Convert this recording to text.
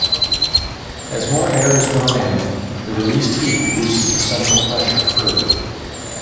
As more air is drawn in, the released heat reduces the central pressure further.